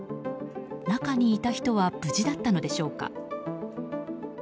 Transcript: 中にいた人は無事だったのでしょうか。